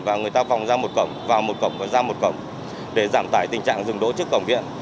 và người ta vòng ra một cổng vào một cổng và ra một cổng để giảm tải tình trạng dừng đỗ trước cổng viện